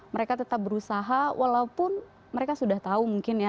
mereka tetap berusaha walaupun mereka sudah tahu mungkin ya